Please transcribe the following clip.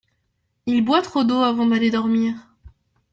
Il boit trop d’eau avant d’aller dormir.